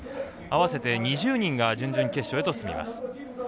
合わせて２０人が準決勝に進みます。